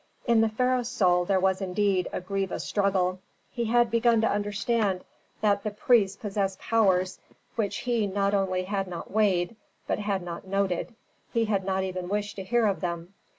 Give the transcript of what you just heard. In the pharaoh's soul there was indeed a grievous struggle. He had begun to understand that the priests possessed powers which he not only had not weighed, but had not noted; he had not even wished to hear of them.